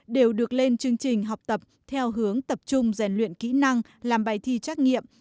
đều được lên chương trình học tập theo hướng tập trung rèn luyện kỹ năng làm bài thi trắc nghiệm